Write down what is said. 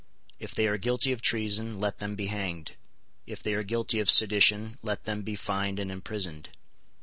If they are guilty of treason, let them be hanged. If they are guilty of sedition, let them be fined and imprisoned.